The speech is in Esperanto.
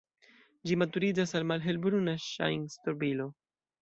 Ĝi maturiĝas al malhelbruna ŝajn-strobilo.